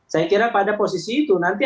saya kira pada posisi itu nanti